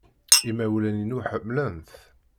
Imawlan-inu ḥemmlen-t.